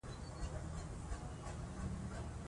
رافایل بیټانس بند څاري.